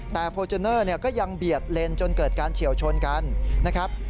แต่ฟอร์จูเนอร์ก็ยังเบียดเลนจนเกิดการเฉียวชนกันนะครับ